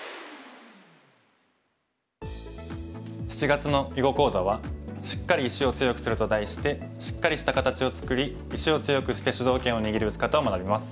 ７月の囲碁講座は「シッカリ石を強くする」と題してシッカリした形を作り石を強くして主導権を握る打ち方を学びます。